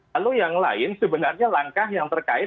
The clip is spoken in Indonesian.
lalu yang lain sebenarnya langkah yang terkait